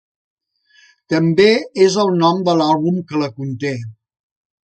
També és el nom de l'àlbum que la conté.